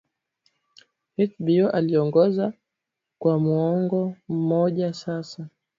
hbo aliyeongoza kwa muongo mmoja sasa